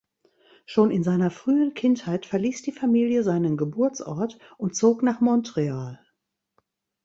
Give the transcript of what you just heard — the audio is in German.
Schon in seiner frühen Kindheit verließ die Familie seinen Geburtsort und zog nach Montreal.